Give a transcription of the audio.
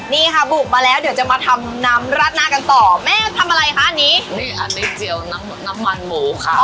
นี่ค่ะบุกมาแล้วเดี๋ยวจะมาทำน้ำราดหน้ากันต่อแม่ทำอะไรคะอันนี้นี่อันนี้เจียวน้ำน้ำมันหมูค่ะ